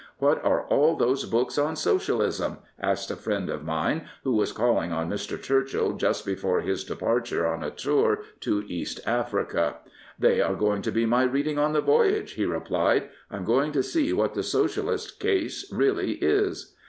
" What are all those books on Socialism? " asked a friend of mine who was calling on Mr. Churchill just before his departure on a tour to East Africa. " They are going to be my reading on the voyage," he replied. " Pm going to see what the Socialist case really is."